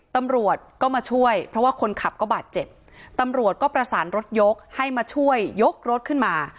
ตำรวจก็มาช่วยเพราะว่าคนขับก็บาดเจ็บตำรวจก็ประสานรถยกให้มาช่วยยกรถขึ้นมา